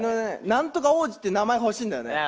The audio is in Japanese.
「何とか王子」って名前欲しいんだよね。